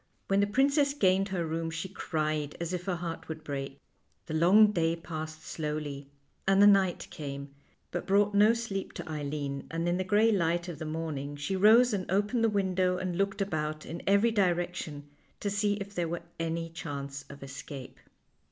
When the princess gained her room she cried as if her heart would break. The long day passed slowly, and the night came, but brought no sleep to Eileen, and in the gray light of the morning she rose and opened the window, and looked about in every direction to see if there were any chance of escape.